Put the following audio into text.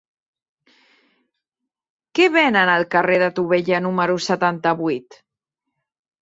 Què venen al carrer de Tubella número setanta-vuit?